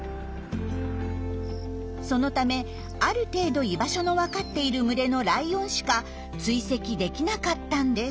そのためある程度居場所のわかっている群れのライオンしか追跡できなかったんです。